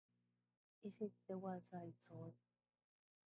Is it the "Wild Side" song?